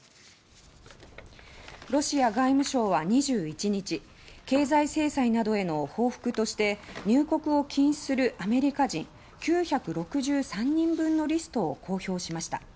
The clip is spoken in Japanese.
ロシア外務省は２１日経済制裁などへの報復として入国を禁止するアメリカ人９６３人分のリストを公表しました。